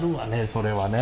それはね。